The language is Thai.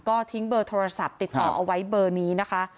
ก็ทิ้งเบอร์โทรศัพท์ติดต่อเอาไว้เบอร์นี้นะคะ